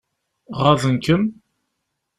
Ɣaḍen-kem?